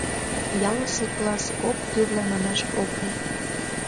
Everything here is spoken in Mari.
Ялысе класс кок тӱрлӧ манаш ок лий.